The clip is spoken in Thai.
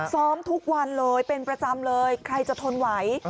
ซ้อมทุกวันเลยเป็นประจำเลยใครจะทนไหว